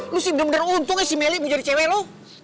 lo sih bener bener untung ya si meli mau jadi cewek lo